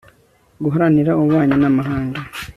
guharanira ububanyi n'amahanga